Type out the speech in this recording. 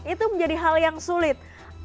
itu menjadi hal yang sulit